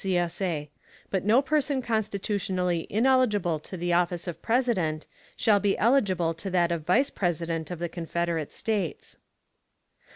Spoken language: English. [CSA] But no person constitutionally ineligible to the office of President shall be eligible to that of Vice President of the Confederate States.